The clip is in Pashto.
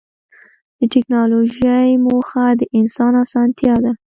د ټکنالوجۍ موخه د انسان اسانتیا ده.